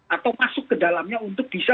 atau masuk ke dalamnya untuk bisa